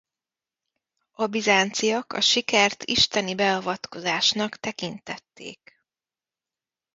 A bizánciak a sikert isteni beavatkozásnak tekintették.